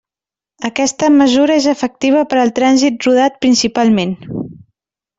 Aquesta mesura és efectiva per al trànsit rodat principalment.